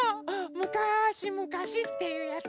「むかしむかし」っていうやつ。